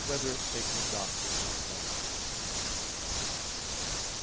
3] Whether Sacred Doctrine Is One Science?